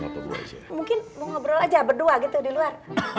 mungkin mau ngobrol aja berdua gitu di luar